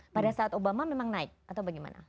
pada saat obama memang naik atau bagaimana